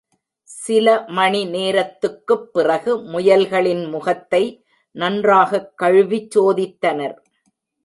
சில மணி நேரத்துக்குப் பிறகு, முயல்களின் முகத்தை நன்றாகக் கழுவிச் சோதித்தனர்.